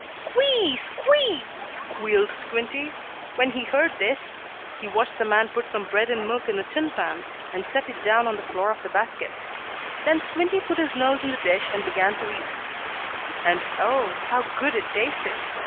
"Squee! Squee!" squealed Squinty, when he heard this. He watched the man put some bread and milk in a tin pan, and set it down on the floor of the basket. Then Squinty put his nose in the dish and began to eat. And Oh! how good it tasted!